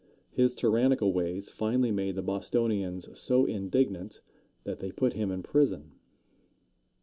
His tyrannical ways finally made the Bostonians so indignant that they put him in prison.